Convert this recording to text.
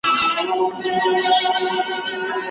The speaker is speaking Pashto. كه تل غواړئ پاچهي د شيطانانو